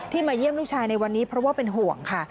มาเยี่ยมลูกชายในวันนี้เพราะว่าเป็นห่วงค่ะ